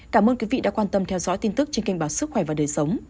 cảm ơn quý vị đã quan tâm theo dõi tin tức trên kênh báo sức khỏe và đời sống